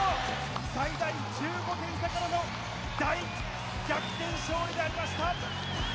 最大１５点差からの大逆転勝利でありました。